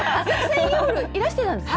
今日いらしてたんですか？